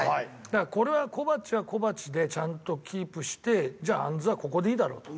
だからこれは小鉢は小鉢でちゃんとキープしてじゃああんずはここでいいだろうと。